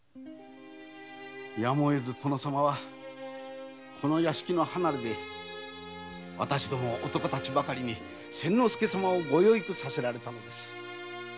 やむをえず殿様は屋敷の離れで男たちばかりに千之助様をご養育させられたのです。